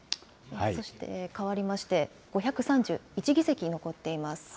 そして、変わりまして、５３１議席、残っています。